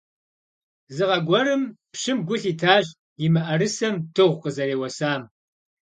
Зы гъэ гуэрым пщым гу лъитащ и мыӀэрысэм дыгъу къызэреуэсам.